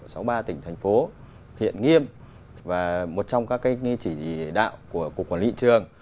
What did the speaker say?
của sáu mươi ba tỉnh thành phố thiện nghiêm và một trong các cái chỉ đạo của cục quản lý thị trường